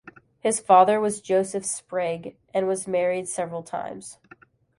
His father was Joseph Sprigg and was married several times.